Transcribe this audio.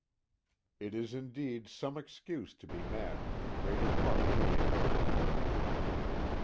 5 It is indeed some Excuse to be mad with the greater Part of Mankind.